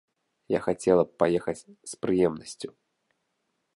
Я хацела б паехаць, з прыемнасцю.